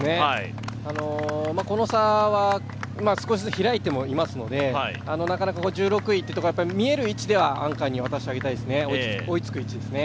この差は少しずつ開いてもいますので、なかなか１６位というところは見える位置ではアンカーに渡したいですね、追いつく位置ですね。